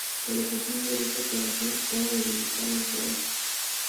El objetivo de esta operación era debilitar Hezbolá.